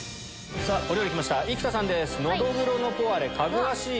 お料理きました生田さんです。